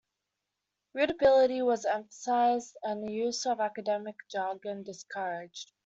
Readability was emphasized and the use of academic jargon discouraged.